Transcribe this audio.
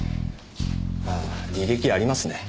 ああ履歴ありますね。